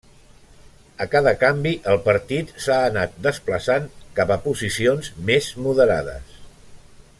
A cada canvi el partit s'ha anat desplaçant cap a posicions més moderades.